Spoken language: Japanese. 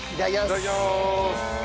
いただきます。